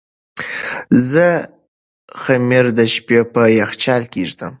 زه خمیر د شپې په یخچال کې ږدم.